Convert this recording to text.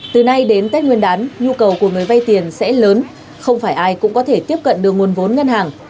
từ nay đến tết nguyên đán nhu cầu của người vay tiền sẽ lớn không phải ai cũng có thể tiếp cận được nguồn vốn ngân hàng